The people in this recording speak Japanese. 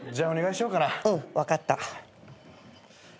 うん分かった。